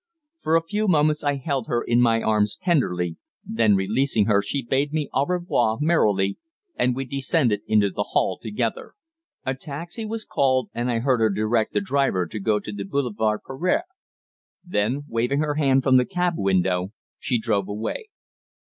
For a few moments I held her in my arms tenderly, then releasing her, she bade me au revoir merrily, and we descended into the hall together. A taxi was called, and I heard her direct the driver to go to the Boulevard Pereire. Then, waving her hand from the cab window, she drove away.